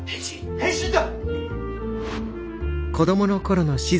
変身だ！